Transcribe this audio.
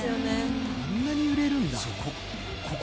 こんなに揺れるんだ。